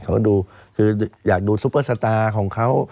เขาดูคืออยากดูซุปเปอร์สตาร์ของเขา